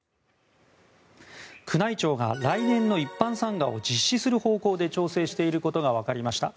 宮内庁が来年の一般参賀を実施する方向で調整していることが分かりました。